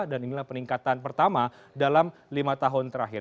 dan inilah peningkatan pertama dalam lima tahun terakhir